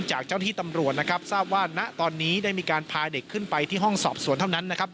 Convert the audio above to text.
จากเจ้าที่ตำรวจนะครับทราบว่าณตอนนี้ได้มีการพาเด็กขึ้นไปที่ห้องสอบสวนเท่านั้นนะครับ